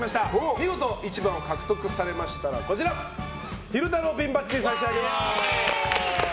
見事１番を獲得されましたら昼太郎ピンバッジを差し上げます。